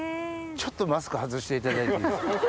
ちょっとマスク外していただいていいですか？